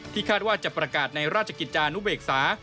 คาดว่าจะประกาศในราชกิจจานุเบกษา